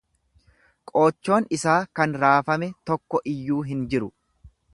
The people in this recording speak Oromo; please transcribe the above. Qoochoon isaa kan raafame tokko iyyuu hin jiru.